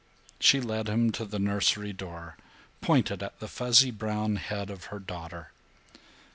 She led him to the nursery door, pointed at the fuzzy brown head of her daughter.